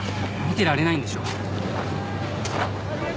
見てられないんでしょ？